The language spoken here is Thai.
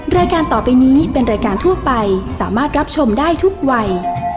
รายการต่อไปนี้เป็นรายการทั่วไปสามารถรับชมได้ทุกวัย